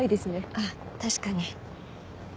あっ確かに。